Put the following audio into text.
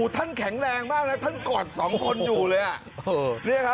แข็งแรงมากนะท่านกอดสองคนอยู่เลย